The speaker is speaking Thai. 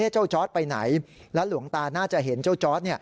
จอร์ดไปไหนแล้วหลวงตาน่าจะเห็นเจ้าจอร์ด